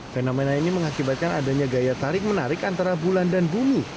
fenomena ini mengakibatkan adanya gaya tarik menarik antara bulan dan bumi